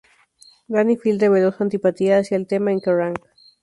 Dani Filth reveló su antipatía hacia el tema en "Kerrang!